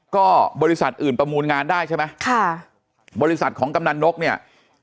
ก็บริษัทอื่นประมูลงานได้ใช่ไหมค่ะบริษัทของกำนันนกเนี่ย